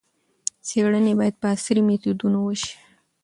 څېړنې باید په عصري میتودونو وشي.